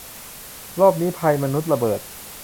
รอบนี้ ภัยมนุษย์ ระเบิด